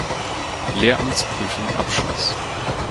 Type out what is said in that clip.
Lehramtsprüfung abschloss.